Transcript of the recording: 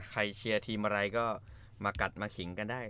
เชียร์ทีมอะไรก็มากัดมาขิงกันได้